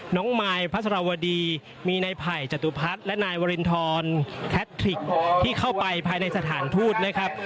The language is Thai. มายพระสรวดีมีนายไผ่จตุพัฒน์และนายวรินทรแคทริกที่เข้าไปภายในสถานทูตนะครับ